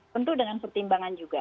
tentu dengan pertimbangan juga